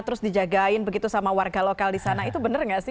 terus dijagain begitu sama warga lokal di sana itu benar nggak sih